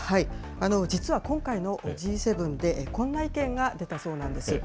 実は今回のＧ７で、こんな意見が出たそうなんです。